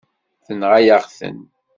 Tenɣa-yaɣ-ten.